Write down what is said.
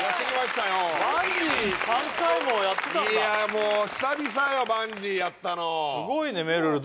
もう久々よバンジーやったのすごいねめるる